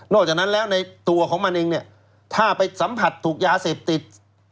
อกจากนั้นแล้วในตัวของมันเองเนี่ยถ้าไปสัมผัสถูกยาเสพติด